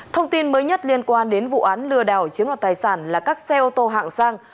thông tin mới nhất liên quan đến vụ án lừa đảo chiếm đoạt tài sản là các xe ô tô hạng sang